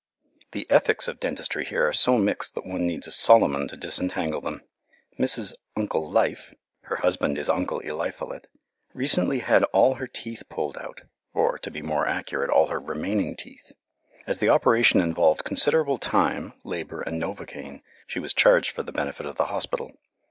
The ethics of dentistry here are so mixed that one needs a Solomon to disentangle them. Mrs. "Uncle Life" her husband is Uncle Eliphalet recently had all her teeth pulled out, or, to be more accurate, all her remaining teeth. As the operation involved considerable time, labour, and novocaine, she was charged for the benefit of the hospital.